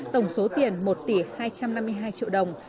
tổng số tiền một tỷ hai trăm năm mươi hai triệu đồng